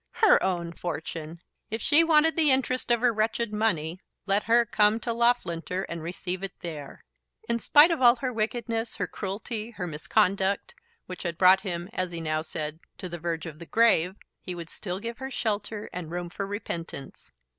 Her own fortune! If she wanted the interest of her wretched money, let her come to Loughlinter and receive it there. In spite of all her wickedness, her cruelty, her misconduct, which had brought him, as he now said, to the verge of the grave, he would still give her shelter and room for repentance.